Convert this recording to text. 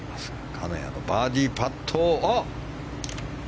金谷のバーディーパット。